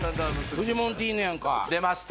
フジモンティーヌやんか出ました